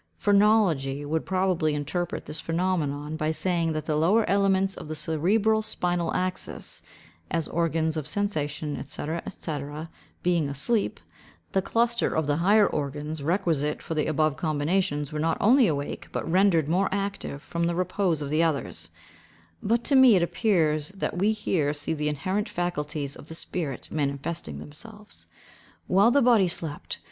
Phrenology would probably interpret this phenomenon by saying that the lower elements of the cerebral spinal axis, as organs of sensation, &c., &c., being asleep, the cluster of the higher organs requisite for the above combinations were not only awake, but rendered more active from the repose of the others: but to me it appears that we here see the inherent faculties of the spirit manifesting themselves, while the body slept.